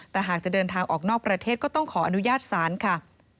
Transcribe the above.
แต่หากจะเดินทางออกนอกประเทศก็ต้องขออนุญาตศาลค่ะ